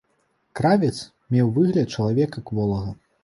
Кравец меў выгляд чалавека кволага.